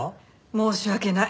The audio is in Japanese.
申し訳ない。